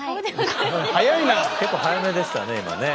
結構早めでしたね今ね。